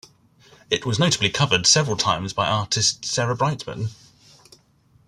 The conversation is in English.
It was notably covered several times by artist Sarah Brightman.